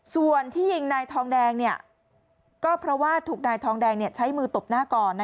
ส่วนที่ยิงนายทองแดงเนี่ยก็เพราะว่าถูกใช้มือตบหน้าก่อน